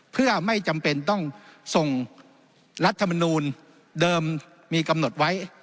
เพื่อไม่จำเป็นต้องส่งรัฐมนูลเดิมมีกำหนดไว้